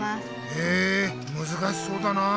へえむずかしそうだなあ。